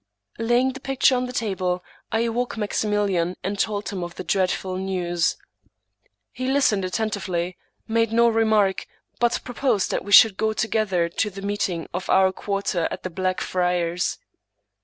Laying the picture on the table, I awoke Maximilian , and told him of the dreadful news. He listened attentively, made no remark, but pro posed that we should go together to the meeting of our quarter at the Black Friars.